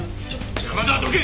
邪魔だどけ！